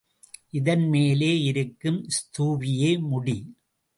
இதன்மேலே இருக்கும் ஸ்தூபியே முடி.